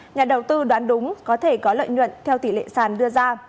nhà đầu tư đoán đúng có thể có lợi nhuận theo tỷ lệ sàn đưa ra